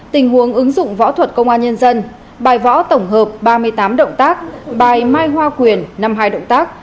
tình huống ứng dụng võ thuật công an nhân dân bài võ tổng hợp ba mươi tám động tác bài mai hoa quyền năm hai động tác